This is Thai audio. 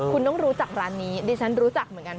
คุณต้องรู้จักร้านนี้ดิฉันรู้จักเหมือนกัน